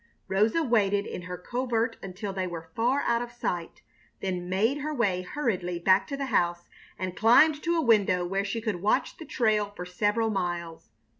Rosa waited in her covert until they were far out of sight, then made her way hurriedly back to the house and climbed to a window where she could watch the trail for several miles.